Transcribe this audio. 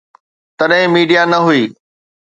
تڏهن ميڊيا نه هئي.